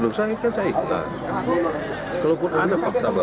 loh saya kan saya ikhlas kalau pun ada fakta mbak